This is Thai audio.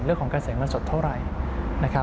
เรื่องของกระแสเงินสดเท่าไร